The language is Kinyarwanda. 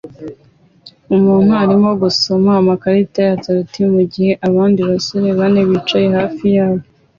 Umuntu arimo gusoma amakarita ya tarot mugihe abandi basore bane bicaye hafi yabo